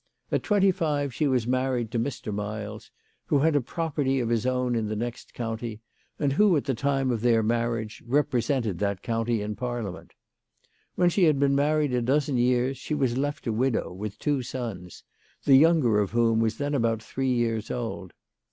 At twenty five she was married to Mr. Miles, who had a property of his own in the next county, and who at the time of their marriage represented that county in Parliament. When she had been married a dozen years she was left a widow, with two sons, the younger of whom was then about three years old.